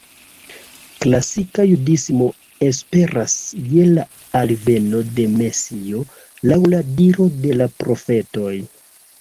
Klasika Judismo esperas je la alveno de Mesio, laŭ la diro de la profetoj.